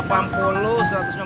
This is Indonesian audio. mas pur baik udah